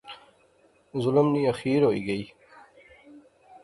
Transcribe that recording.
ظلم نی آخیر ہوئی گئی